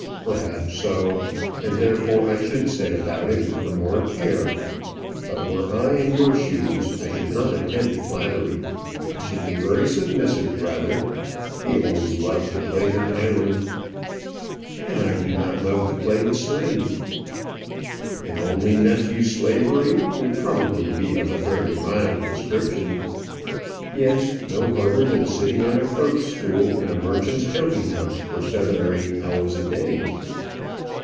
"Perhaps so; and therefore I should set about it with the more care. But, were I in your shoes, I should not attempt flattery; I should be very submissive rather. He always loved to play the tyrant." "And I do not love to play the slave." "An only nephew's slavery would probably be of a very mild description." "Yes; no harder than sitting on a clerk's stool in a merchant's counting house for seven or eight hours a day."